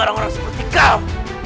orang orang seperti kau